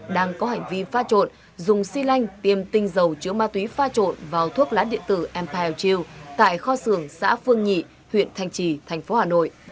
đang có hành vi pha trộn dùng si lanh tiêm tinh dầu chứa ma túy pha trộn vào thuốc lá điện tử empire chill tại kho sường xã phương nhị huyện thành trì thành phố hà nội